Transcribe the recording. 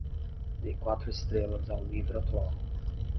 Dê quatro estrelas ao livro atual